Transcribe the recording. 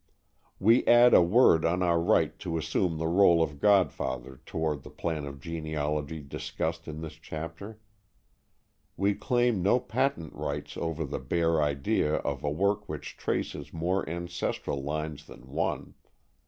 We add a word on our right to assume the rôle of godfather toward the plan of genealogy discussed in this chapter. We claim no patent rights over the bare idea of a work which traces more ancestral lines than one.